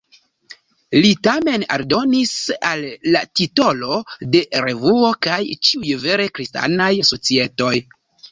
Li tamen aldonis al la titolo de la revuo "kaj ĉiuj vere Kristanaj Societoj".